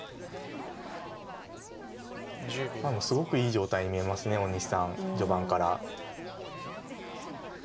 もうすごくいい状態に見えます大西さん序盤から。